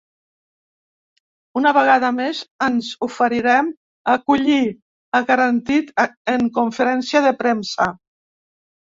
Una vegada més ens oferirem a acollir, ha garantit en conferència de premsa.